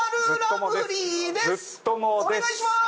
お願いしまーす！